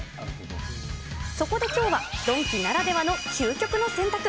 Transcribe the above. そこできょうは、ドンキならではの究極の選択。